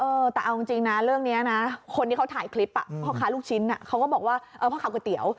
เออแต่เอาจริงนะเรื่องนี้นะคนที่เขาถ่ายคลิปพ่อค้าลูกชิ้นเขาก็บอกว่าพ่อค้าก๋วยเตี๋ยว